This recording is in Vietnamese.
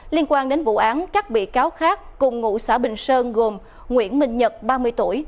liên quan đến vụ án các bị cáo khác cùng ngụ xã bình sơn gồm nguyễn minh nhật ba mươi tuổi